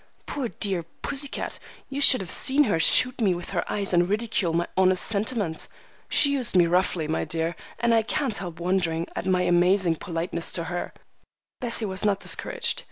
"Poor, dear pussy cat! You should have seen her shoot me with her eyes and ridicule my honest sentiment. She used me roughly, my dear, and I can't help wondering at my amazing politeness to her." Bessie was not discouraged.